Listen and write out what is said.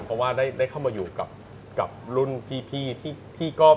เพราะว่าได้เข้ามาอยู่กับรุ่นพี่ที่ก็